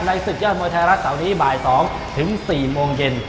ในสุดยอดมวยไทยรัฐตอนนี้บ่าย๒ถึง๔โมงเย็น